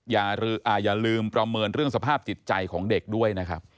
อย่าลืมประเมินเรื่องสภาพจิตใจของเด็กด้วยนะครับ